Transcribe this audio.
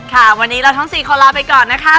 ค่ะวันนี้เราทั้ง๔คนลาไปก่อนนะคะ